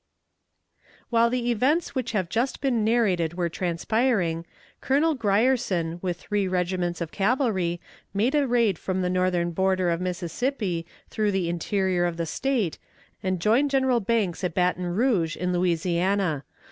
While the events which have just been narrated were transpiring, Colonel Grierson with three regiments of cavalry made a raid from the northern border of Mississippi through the interior of the State, and joined General Banks at Baton Rouge in Louisiana.